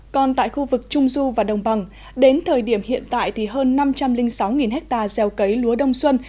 còn tại khu vực trung du và đồng bằng đến thời điểm hiện tại thì hơn năm trăm linh sáu ha gieo cấy lúa đông xuân